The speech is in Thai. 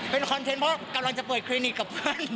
เป็นคอนเทนต์เพราะกำลังจะเปิดคลินิกกับเพื่อน